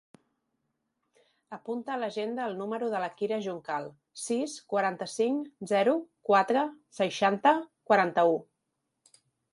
Apunta a l'agenda el número de la Kira Juncal: sis, quaranta-cinc, zero, quatre, seixanta, quaranta-u.